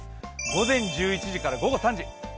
午前１１時から午後３時。